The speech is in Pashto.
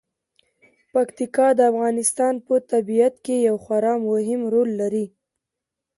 پکتیکا د افغانستان په طبیعت کې یو خورا مهم رول لري.